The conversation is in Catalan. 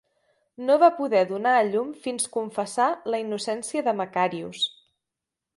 No va poder donar a llum fins confessar la innocència de Macarius.